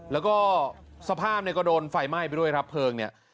แล้วก็สภาพเนี่ยก็โดนไฟไหม้ไปด้วยครับเพลิงเนี่ย